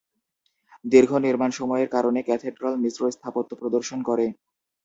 দীর্ঘ নির্মাণ সময়ের কারণে, ক্যাথেড্রাল মিশ্র স্থাপত্য প্রদর্শন করে।